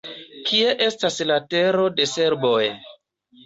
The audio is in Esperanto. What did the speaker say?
Kie estas la tero de serboj?